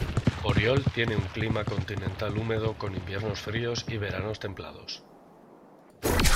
Oriol tiene un clima continental húmedo con inviernos fríos y veranos templados.